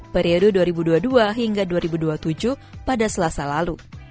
periode dua ribu dua puluh dua hingga dua ribu dua puluh tujuh pada selasa lalu